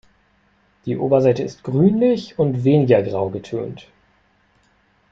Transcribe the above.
Die Oberseite ist grünlich und weniger grau getönt.